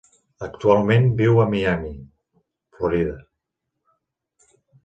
Actualment viu en Miami, Florida.